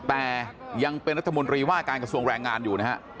แต่ยังเป็นรัฐมนตรีว่าการกระทรวงแรงงานอยู่นะฮะ